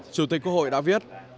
chủ tịch quốc hội đã viết